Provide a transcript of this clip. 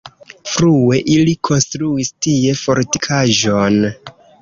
Frue ili konstruis tie fortikaĵon.